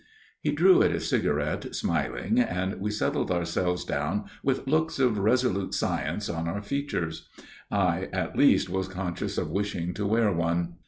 He drew at his cigarette, smiling, and we settled ourselves down with looks of resolute science on our features. I at least was conscious of wishing to wear one.